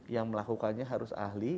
yang melakukannya harus ahli